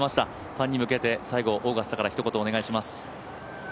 ファンに向けて最後、オーガスタからひと言お願いします。